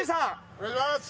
お願いします。